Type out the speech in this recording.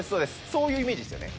そういうイメージですよね。